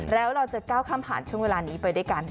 แล้วเราจะก้าวข้ามผ่านช่วงเวลานี้ไปด้วยกัน